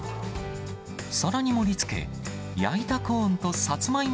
皿に盛りつけ、焼いたコーンとサツマイモ